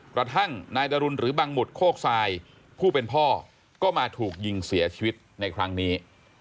กระทั่งนายดรุนหรือบังหมุดโคกทรายผู้เป็นพ่อก็มาถูกยิงเสียชีวิตในครั้งนี้